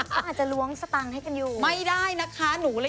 เค้าอาจจะล้วงสตั่งให้กันอยู่เลยครับไม่ได้นะคะ